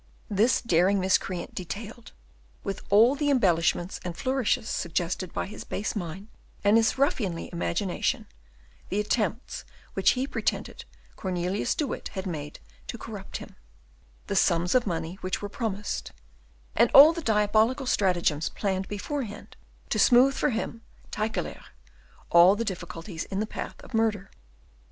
This daring miscreant detailed, with all the embellishments and flourishes suggested by his base mind and his ruffianly imagination, the attempts which he pretended Cornelius de Witt had made to corrupt him; the sums of money which were promised, and all the diabolical stratagems planned beforehand to smooth for him, Tyckelaer, all the difficulties in the path of murder.